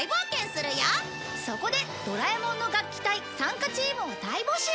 そこでドラえもんの楽器隊参加チームを大募集！